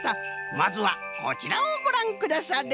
まずはこちらをごらんくだされ。